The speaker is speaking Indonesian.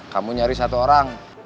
kamu cari satu orang